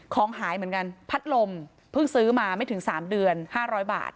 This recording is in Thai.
ของหายเหมือนกันพัดลมเพิ่งซื้อมาไม่ถึง๓เดือน๕๐๐บาท